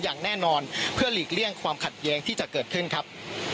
อย่างแน่นอนเพื่อหลีกเลี่ยงความขัดแย้งที่จะเกิดขึ้นครับ